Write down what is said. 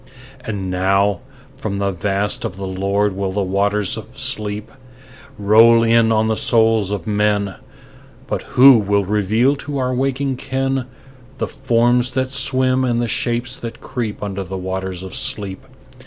And now from the Vast of the Lord will the waters of sleep Roll in on the souls of men, But who will reveal to our waking ken The forms that swim and the shapes that creep Under the waters of sleep?